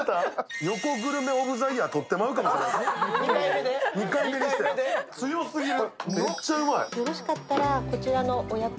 ２回目で、強すぎる。